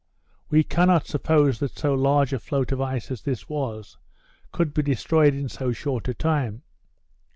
We cannot suppose that so large a float of ice as this was, could be destroyed in so short a time.